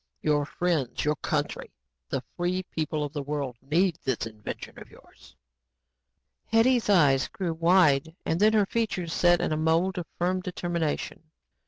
Your friends, your country, the free people of the world, need this invention of yours." Hetty's eyes grew wide and then her features set in a mold of firm determination.